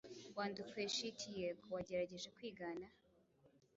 Wandukuye shit, yego, wagerageje kwigana